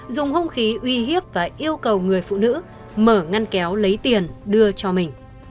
dùng hung khí uy hiếp và yêu cầu người phụ nữ mở ngăn kéo lấy tiền đưa cho mình